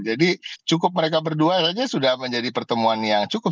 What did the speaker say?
jadi cukup mereka berduanya saja sudah menjadi pertemuan yang cukup